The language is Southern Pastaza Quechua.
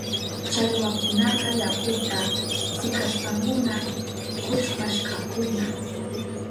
Challwakunaka yakuta sikashpankuna kuchpashkakuna.